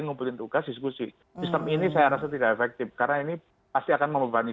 ngumpulin tugas diskusi sistem ini saya rasa tidak efektif karena ini pasti akan membebani